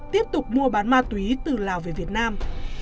tiếp tục mua bán ma túy từ lào về việt nam